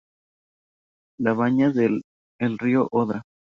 La baña el río Odra.